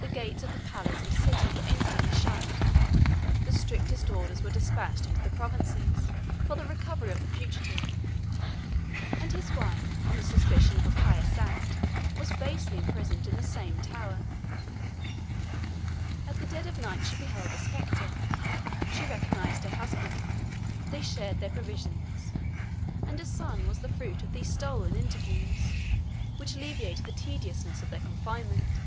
The gates of the palace and city were instantly shut: the strictest orders were despatched into the provinces, for the recovery of the fugitive; and his wife, on the suspicion of a pious act, was basely imprisoned in the same tower. At the dead of night she beheld a spectre; she recognized her husband: they shared their provisions; and a son was the fruit of these stolen interviews, which alleviated the tediousness of their confinement.